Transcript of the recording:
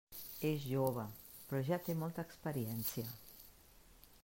És jove, però ja té molta experiència.